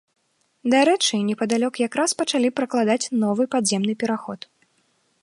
Дарэчы, непадалёк якраз пачалі пракладаць новы падземны пераход.